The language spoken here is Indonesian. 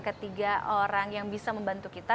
ketiga orang yang bisa membantu kita